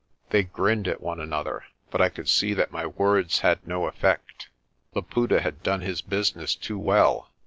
They grinned at one another, but I could see that my words had no effect. Laputa had done his business too well.